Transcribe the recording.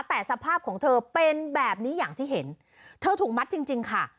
แต่สภาพของเธอเป็นแบบนี้อย่างที่เห็นเธอถูกมัดจริงจริงค่ะ